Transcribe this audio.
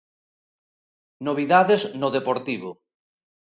Novidades no Deportivo.